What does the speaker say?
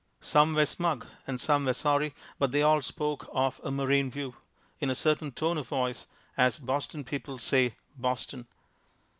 Some were smug and some were sorry but they all spoke of a "marine view" in a certain tone of voice, as Boston people say "Boston."